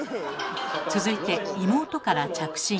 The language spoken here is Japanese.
続いて妹から着信。